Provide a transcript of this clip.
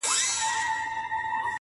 راته ستا حال راكوي’